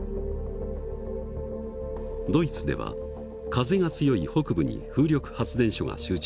ドイツでは風が強い北部に風力発電所が集中。